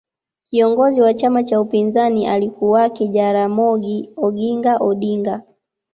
kiongozi wa chama cha upinzani alikuwake jaramogi oginga Odinga